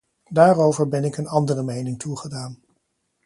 Daarover ben ik een andere mening toegedaan.